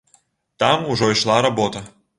Там ужо ішла работа.